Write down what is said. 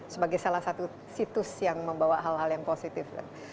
sebagai salah satu situs yang membawa hal hal yang positif